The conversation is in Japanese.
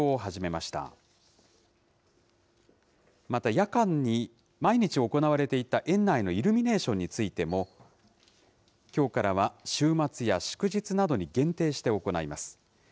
また、夜間に毎日行われていた園内のイルミネーションについても、きょうからは週末や祝日などに限定して行います。